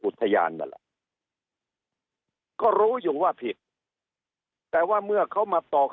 นั่นแหละก็รู้อยู่ว่าผิดแต่ว่าเมื่อเขามาต่อ